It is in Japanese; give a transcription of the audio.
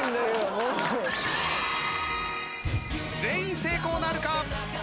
全員成功なるか？